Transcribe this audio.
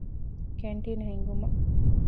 ކެންޓީނު ހިންގުމަށް